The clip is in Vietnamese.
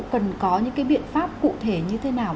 cần có những cái biện pháp cụ thể như thế nào